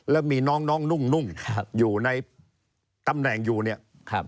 แล้วมีน้องนุ่มอยู่ในตำแหน่งอยู่เนี่ย